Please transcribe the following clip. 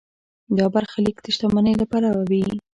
دا برخلیک د شتمنۍ له پلوه وي.